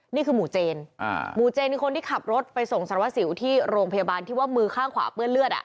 นี่คือหมู่เจนหมู่เจนคือคนที่ขับรถไปส่งสารวัสสิวที่โรงพยาบาลที่ว่ามือข้างขวาเปื้อนเลือดอ่ะ